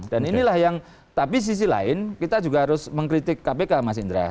dan inilah yang tapi sisi lain kita juga harus mengkritik kpk mas indra